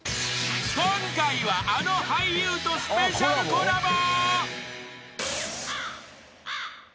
［今回はあの俳優とスペシャルコラボ］